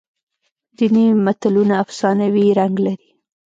ځینې متلونه افسانوي رنګ لري